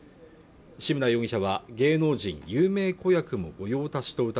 志村容疑者は芸能人有名子役も御用達とうた